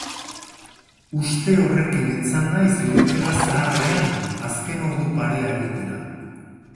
Uste horrekin etzan naiz litera zaharrean azken ordu parea egitera.